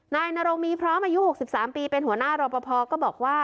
นายนรงมีพร้อมอายุ๖๓ปีเป็นหัวหน้ารอปภก็บอกว่า